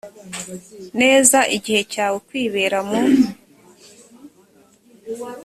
neza igihe cyawe kwibera mu